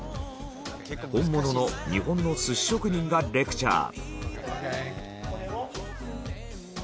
本物の日本の寿司職人がレクチャー。